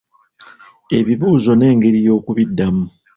Ebibuuzo n'engeri y'okubiddamu.